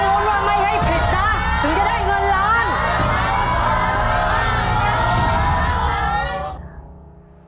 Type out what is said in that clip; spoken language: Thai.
ถึงจะได้เงินล้าน